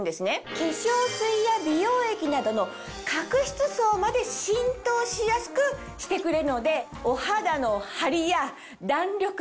化粧水や美容液など角質層まで浸透しやすくしてくれるので。を